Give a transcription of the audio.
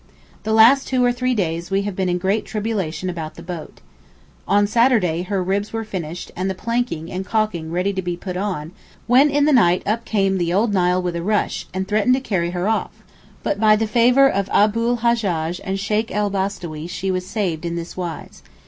The last two or three days we have been in great tribulation about the boat. On Saturday all her ribs were finished, and the planking and caulking ready to be put on, when in the night up came the old Nile with a rush, and threatened to carry her off; but by the favour of Abu l Hajjaj and Sheykh el Bostawee she was saved in this wise.